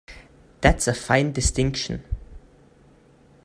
That's a fine distinction!